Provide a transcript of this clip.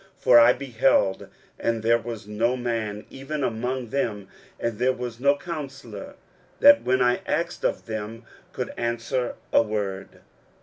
23:041:028 For I beheld, and there was no man; even among them, and there was no counsellor, that, when I asked of them, could answer a word.